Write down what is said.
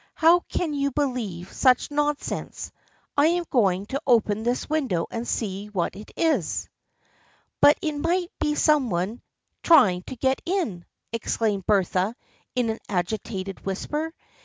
" How can you believe such nonsense ! I am going to open the window and see what it is." " But it might be some one trying to get in !" exclaimed Bertha in an agitated whisper.